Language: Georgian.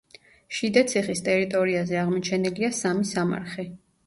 შიდაციხის ტერიტორიაზე აღმოჩენილია სამი სამარხი.